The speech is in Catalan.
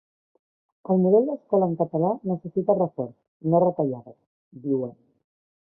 “El model d’escola en català necessita reforç, no retallades”, diuen.